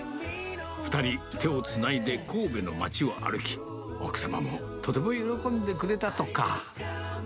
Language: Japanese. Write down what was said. ２人手をつないで神戸の街を歩き、奥様もとても喜んでくれたとか。